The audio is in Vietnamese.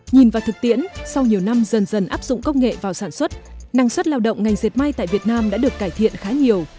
nhìn vào thực tiễn sau nhiều năm dần dần áp dụng công nghệ vào sản xuất năng suất lao động ngành diệt may tại việt nam đã được cải thiện khá nhiều